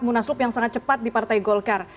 munaslup yang sangat cepat di partai golkar